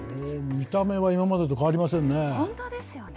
見た目は今までと変わりませんね。